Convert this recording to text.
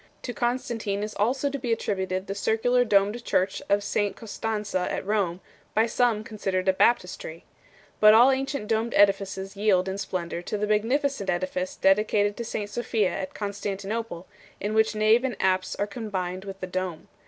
To Constantine is also to be attributed the circular domed church of Sta. Costanza at Koine, by some considered a baptistery. But all ancient domed edifices yield in splendour to the magnificent edifice dedicated to St Sophia at Constantinople 6 , in which nave and apse are combined with the dome.